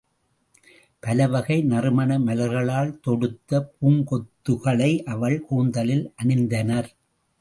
பலவகை நறுமண மலர்களால் தொடுத்த பூங்கொத்துக்களை அவள் கூந்தலில் அணிந்தனர்.